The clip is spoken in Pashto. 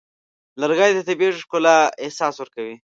لرګی د طبیعي ښکلا احساس ورکوي.